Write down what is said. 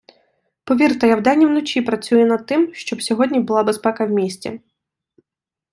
Повірте, я вдень і вночі працюю над тим, щоб сьогодні була безпека в місті.